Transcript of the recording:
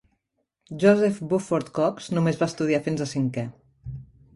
Joseph Buford Cox només va estudiar fins a cinquè.